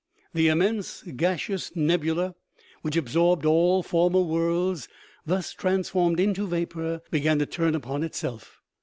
The immense gaseous nebula, which absorbed all former worlds, thus transformed into vapor, began to turn upon itself.